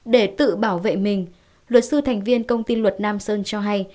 để tự bảo vệ mình luật sư thành viên công ty luật nam sơn cho hay